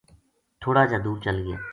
تھوڑا جا دُور چل گیا